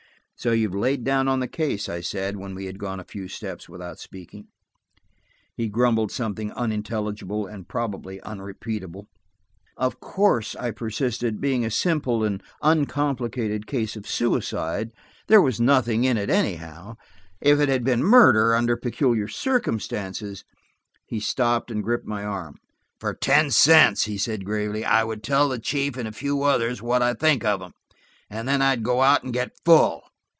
"So you've lain down on the case!" I said, when we had gone a few steps without speaking. He grumbled something unintelligible and probably unrepeatable. "Of course," I persisted, "being a simple and uncomplicated case of suicide, there was nothing in it anyhow. If it had been a murder, under peculiar circumstances–" He stopped and gripped my arm. "For ten cents," he said gravely, "I would tell the chief and a few others what I think of them. And then I'd go out and get full."